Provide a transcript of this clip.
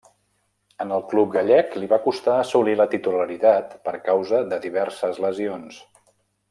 En el club gallec li va costar assolir la titularitat per causa de diverses lesions.